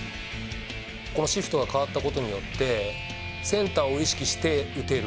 このシフトが変わったことによって、センターを意識して打てる。